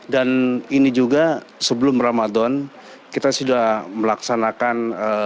dan ini juga sebelum ramadan kita sudah melaksanakan lakonan